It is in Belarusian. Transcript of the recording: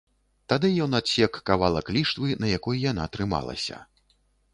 Тады ён адсек кавалак ліштвы, на якой яна трымалася.